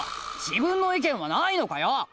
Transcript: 自分の意見はないのかよ！